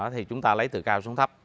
thì chúng ta lấy từ cao xuống thấp